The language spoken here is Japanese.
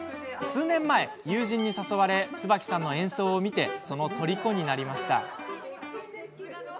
数年前、友人に誘われ椿さんの演奏を見てそのとりこになりました。